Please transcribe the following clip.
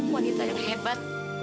wanita yang hebat